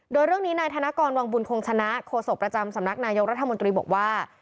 โดยเรื่องนี้นายธนกรวังบุญคงชนะโฆษกประจำสำนักนายกรัฐมนตรีบอกว่า